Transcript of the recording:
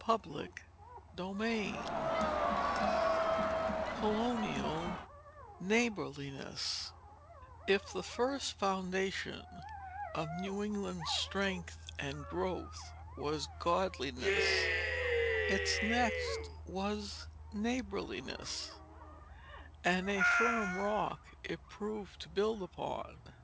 CHAPTER XVI COLONIAL NEIGHBORLINESS If the first foundation of New England's strength and growth was godliness, its next was neighborliness, and a firm rock it proved to build upon.